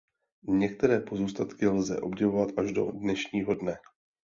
Některé pozůstatky lze obdivovat až do dnešního dne.